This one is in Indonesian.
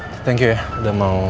thank you ya udah mau